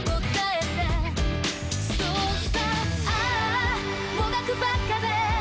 「そうさもがくばっかで」